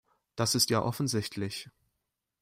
Das ist ja offensichtlich.